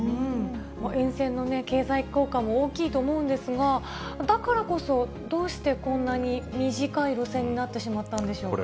沿線の経済効果も大きいと思うんですが、だからこそ、どうしてこんなに短い路線になってしまったんでしょうか。